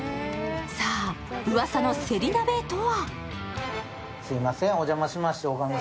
さあ、うわさのせり鍋とは？